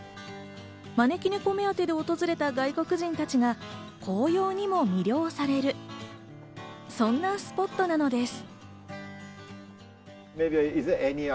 招き猫目当てで訪れた外国人たちが紅葉にも魅了される、そんなスポットなのです。